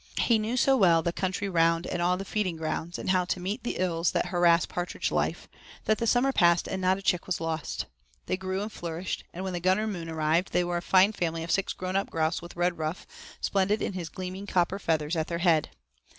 He knew so well the country round and all the feeding grounds, and how to meet the ills that harass partridge life, that the summer passed and not a chick was lost. They grew and flourished, and when the Gunner Moon arrived they were a fine family of six grown up grouse with Redruff, splendid in his gleaming copper feathers, at their head.